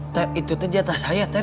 tar itu tuh jatah saya tar